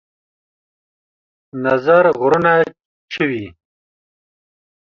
نظر غرونه چوي